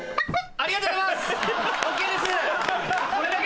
ありがとうございます！